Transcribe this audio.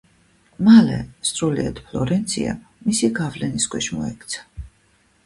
მალე სრულიად ფლორენცია მისი გავლენის ქვეშ მოექცა.